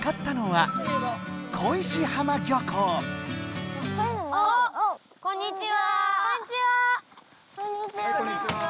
はいこんにちは。